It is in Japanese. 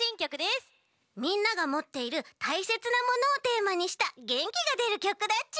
みんながもっているたいせつなものをテーマにしたげんきがでるきょくだち。